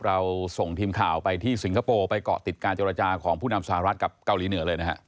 เราส่งทีมข่าวไปที่สิงคโปร์ไปเกาะติดการเจรจาของผู้นำสหรัฐกับเกาหลีเหนือเลยนะฮะ